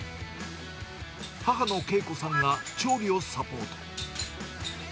母の恵子さんが調理をサポート。